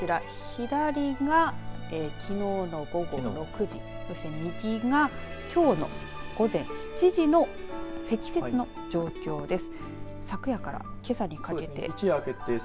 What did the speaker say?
左が、きのうの午後６時そして右がきょうの午前７時の積雪の状況です。